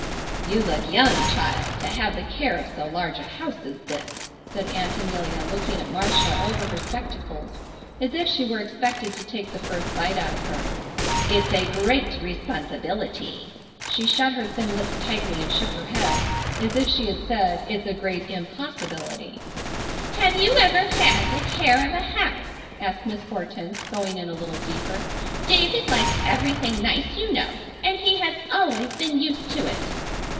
"You look young, child, to have the care of so large a house as this," said Aunt Amelia, looking at Marcia over her spectacles as if she were expected to take the first bite out of her. "It's a great responsibility!" she shut her thin lips tightly and shook her head, as if she had said: "It's a great impossibility." "Have you ever had the care of a house?" asked Miss Hortense, going in a little deeper. "David likes everything nice, you know, he has always been used to it."